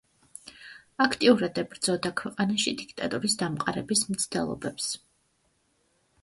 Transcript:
აქტიურად ებრძოდა ქვეყანაში დიქტატურის დამყარების მცდელობებს.